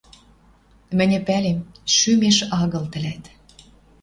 Мӹньӹ пӓлем, шӱмеш агыл тӹлӓт